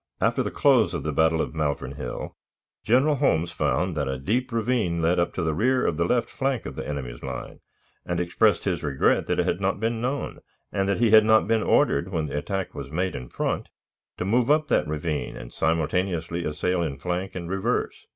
After the close of the battle of Malvern Hill, General Holmes found that a deep ravine led up to the rear of the left flank of the enemy's line, and expressed his regret that it had not been known, and that he had not been ordered, when the attack was made in front, to move up that ravine and simultaneously assail in flank and reverse.